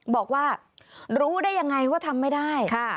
บอกว่ารู้ได้ยังไงว่าทำไม่ได้